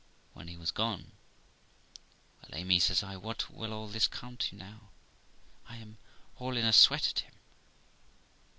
When he was gone, 'Well, Amy', says I, 'what will all this come to now? I am all in a sweat at him.'